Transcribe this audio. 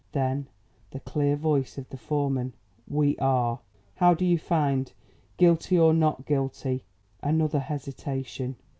then, the clear voice of the foreman: "We are." "How do you find? Guilty or not guilty?" Another hesitation.